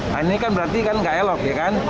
nah ini kan berarti kan gak elok